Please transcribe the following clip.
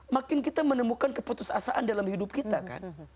makin kita menemukan keputusasaan dalam hidup kita kan